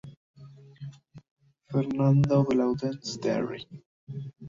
Fernando Belaunde Terry.